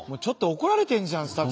ちょっと怒られてるじゃん